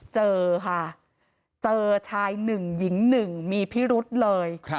เจอค่ะเจอชายหนึ่งหญิงหนึ่งมีพิรุษเลย